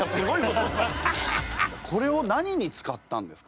これを何に使ったんですか？